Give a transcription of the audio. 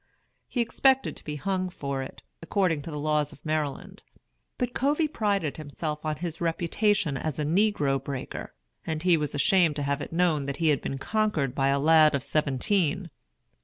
He expected to be hung for it, according to the laws of Maryland; but Covey prided himself on his reputation as a "negro breaker," and he was ashamed to have it known that he had been conquered by a lad of seventeen.